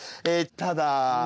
ただ？